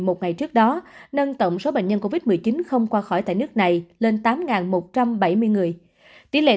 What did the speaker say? một ngày trước đó nâng tổng số bệnh nhân covid một mươi chín không qua khỏi tại nước này lên tám một trăm bảy mươi người tỷ lệ